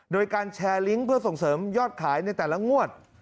โดยการแชร์ลิงก์เพื่อส่งเสริมยอดขายในแต่ละงวด